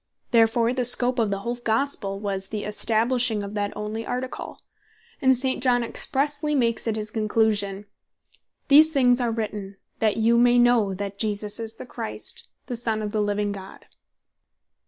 Therefore the Scope of the whole Gospell, was the establishing of that onely Article. And St. John expressely makes it his conclusion, John 20. 31. "These things are written, that you may know that Jesus is the Christ, the Son of the living God."